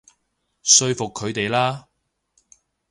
說服佢哋啦